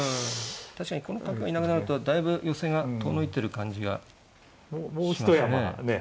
確かにこの角がいなくなるとだいぶ寄せが遠のいてる感じがしますね。